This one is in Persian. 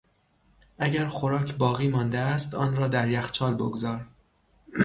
اگر خوراک باقی مانده است آن را در یخچال بگذار.